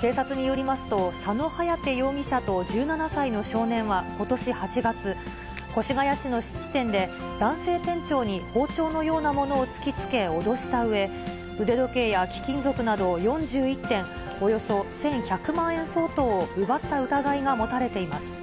警察によりますと、佐野颯容疑者と１７歳の少年はことし８月、越谷市の質店で男性店長に包丁のようなものを突きつけ脅したうえ、腕時計や貴金属など４１点、およそ１１００万円相当を奪った疑いが持たれています。